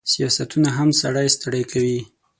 سیاستونه هم سړی ستړی کوي.